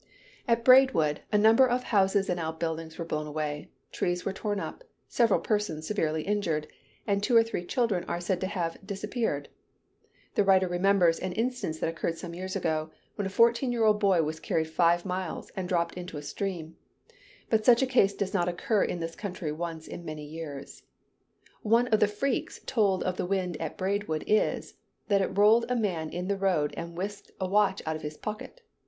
At Braidwood, a number of houses and out buildings were blown away; trees were torn up, several persons severely injured, and two or three children are said to have "disappeared." The writer remembers an instance that occurred some years ago, when a fourteen year old boy was carried five miles and dropped into a stream: but such a case does not occur in this country once in many years. One of the freaks told of the wind at Braidwood is, that it rolled a man in the road and whisked a watch out of his pocket.